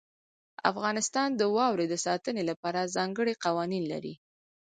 افغانستان د واورې د ساتنې لپاره ځانګړي قوانین لري.